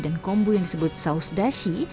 dan kombu yang disebut saus dashi